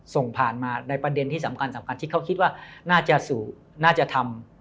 ส่งผ่านมาในประเด็นที่สำคัญที่เขาคิดว่าน่าจะสูงน่าจะทำ